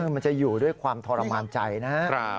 มันจะอยู่ด้วยความทรมานใจนะครับ